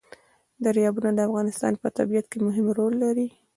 دریابونه د افغانستان په طبیعت کې مهم رول لري.